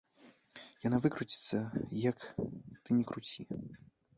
Яна выкруціцца, як ты ні круці.